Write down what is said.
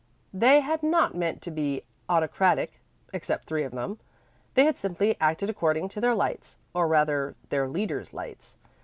They had not meant to be autocratic except three of them; they had simply acted according to their lights, or rather, their leaders' lights.